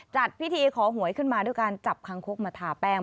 จัดพิธีขอหวยขึ้นมาด้วยการจับคังคกมาทาแป้ง